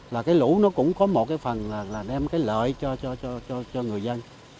lũ cũng có một phần là đem lợi cho người dân